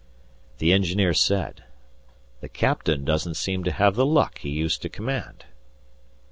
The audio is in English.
The Engineer said: "The Captain doesn't seem to have the luck he used to command."